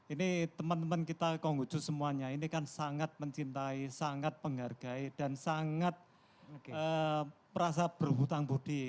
ini teman teman kita konghucu semuanya ini kan sangat mencintai sangat menghargai dan sangat merasa berhutang budi